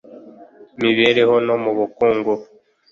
mibereho no mu bukungu